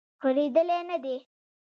غړیدلې نه دی